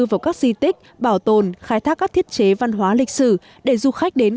vào các di tích bảo tồn khai thác các thiết chế văn hóa lịch sử để du khách đến